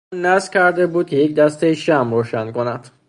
او نذر کرده بود که یک دستهٔ شمع روشن کند.